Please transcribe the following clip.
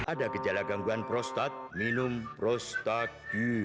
ada gejala gangguan prostat minum prostagil